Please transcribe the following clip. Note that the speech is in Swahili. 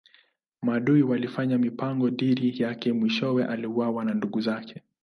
Maadui walifanya mipango dhidi yake mwishowe aliuawa na ndugu zake.